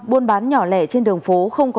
buôn bán nhỏ lẻ trên đường phố không có